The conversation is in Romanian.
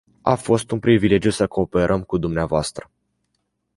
A fost un privilegiu să cooperăm cu dvs.